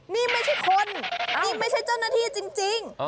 นี่ไม่ใช่คนนี่ไม่ใช่เจ้าหน้าที่จริง